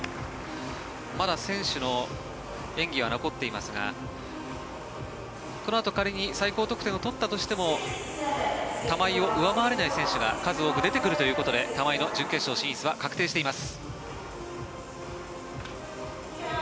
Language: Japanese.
まだ選手の演技が残っていますがこのあと仮に最高得点を取ったとしても玉井を上回れない選手が数多く出てくるということで玉井の準決勝進出は確定しています。